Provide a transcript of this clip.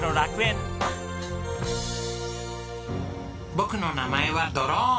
僕の名前はドローン。